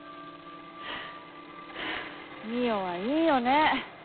望緒はいいよね。